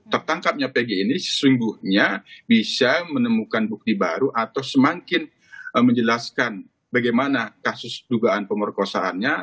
tertangkapnya pg ini sesungguhnya bisa menemukan bukti baru atau semakin menjelaskan bagaimana kasus dugaan pemerkosaannya